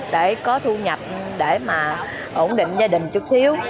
để có thu nhập để mà ổn định gia đình chút xíu